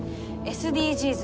ＳＤＧｓ。